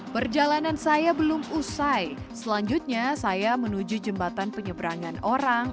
perjalanan saya belum usai selanjutnya saya menuju jembatan penyeberangan orang